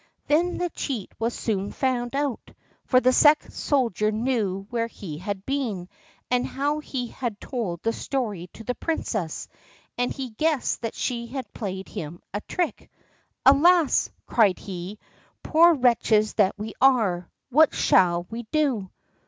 Then the cheat was soon found out; for the second soldier knew where he had been, and how he had told the story to the princess, and he guessed that she had played him a trick. "Alas!" cried he, "poor wretches that we are, what shall we do?"